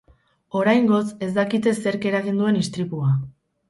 Oraingoz, ez dakite zerk eragin duen istripua.